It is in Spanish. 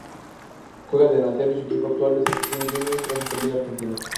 Juega de delantero y su equipo actual es Argentinos Juniors, de la Superliga Argentina.